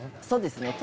そうですね。